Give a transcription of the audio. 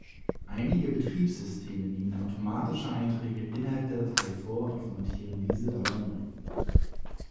Einige Betriebssysteme nehmen automatische Einträge innerhalb der Datei vor und formatieren diese dabei neu.